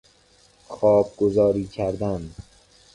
خوابگزاری کردن